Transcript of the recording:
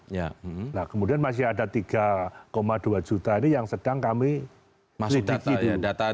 nah kemudian masih ada tiga dua juta ini yang sedang kami lidik itu